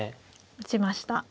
打ちました。